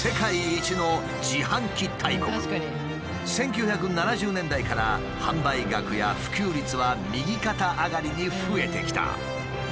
１９７０年代から販売額や普及率は右肩上がりに増えてきた。